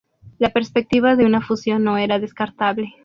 la perspectiva de una fusión no era descartable